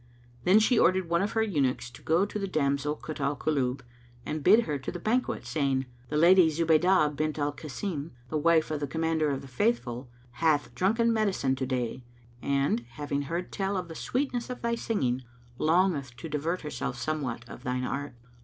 Then she ordered one of her eunuchs go to the damsel Kut al Kulub and bid her to the banquet, saying, "The Lady Zubaydah bint Al Kasim, the wife of the Commander of the Faithful, hath drunken medicine to day and, having heard tell of the sweetness of thy singing, longeth to divert herself somewhat of thine art."